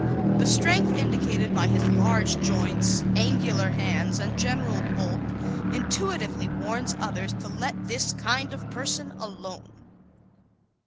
The strength indicated by his large joints, angular hands and general bulk intuitively warns others to let this kind of person alone.